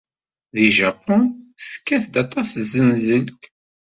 Deg Japun, tekkat-d aṭas tzenzelt.